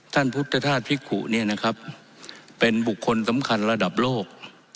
ท่านพุทธธาตุพิกุเนี่ยนะครับเป็นบุคคลสำคัญระดับโลก